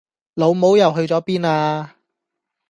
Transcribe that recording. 老母又去咗邊呀